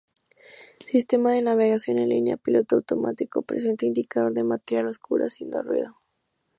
Sistema de navegación: en línea, piloto automático: presente, indicador de materia oscura: haciendo ruido.